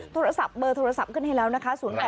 โทรศัพท์เบอร์โทรศัพท์ขึ้นให้แล้วนะคะ๐๘๓๖๒๔๔๒๙๘ค่ะ